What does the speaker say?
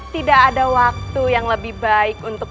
tidak ada waktu yang lebih baik untuk